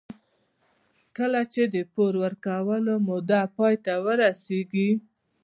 کله چې د پور ورکولو موده پای ته ورسېږي